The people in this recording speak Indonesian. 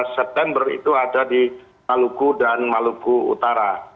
dua belas september itu ada di maluku dan maluku utara